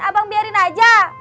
abang biarin aja